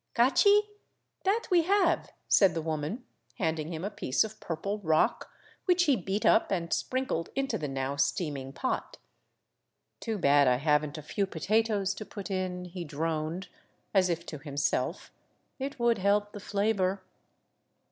"Cachi? That we have," said the woman, handing him a piece of purple rock, which he beat up and sprinkled into the now steaming pot. " Too bad I have n't a few potatoes to put in," he droned, as if to himself, " it would help the flavor."